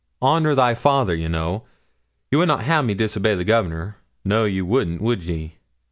Honour thy father, you know; you would not ha' me disobey the Governor? No, you wouldn't would ye?'